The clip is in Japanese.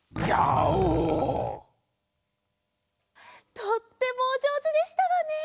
とってもおじょうずでしたわね！